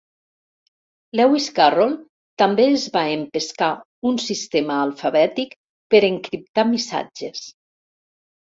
Lewis Carroll també es va empescar un sistema alfabètic per encriptar missatges.